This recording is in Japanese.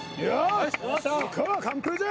いこう完封じゃ！